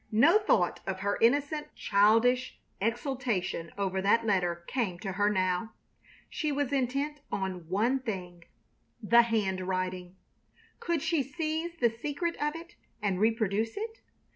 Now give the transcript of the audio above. No thought of her innocent childish exultation over that letter came to her now. She was intent on one thing the handwriting. Could she seize the secret of it and reproduce it?